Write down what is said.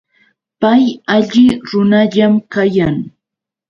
Pay alli runallam kayan.